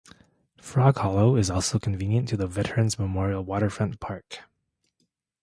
Frog Hollow is also convenient to the Veteran's Memorial Waterfront Park.